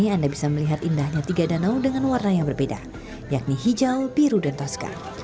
anda bisa melihat indahnya tiga danau dengan warna yang berbeda yakni hijau biru dan toska